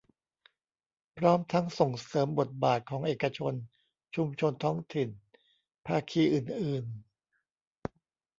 พร้อมทั้งส่งเสริมบทบาทของเอกชน ชุมชนท้องถิ่น ภาคีอื่นอื่น